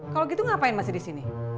kalo gitu ngapain masih disini